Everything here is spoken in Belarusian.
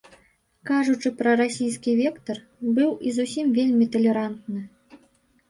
Кажучы пра расійскі вектар, быў і зусім вельмі талерантны.